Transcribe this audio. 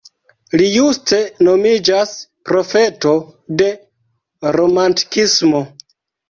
Li juste nomiĝas "profeto de Romantikismo".